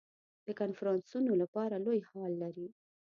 د کنفرانسونو لپاره لوی هال لري.